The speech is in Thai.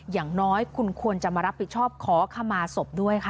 อย่างน้อยคุณควรจะมารับผิดชอบขอขมาศพด้วยค่ะ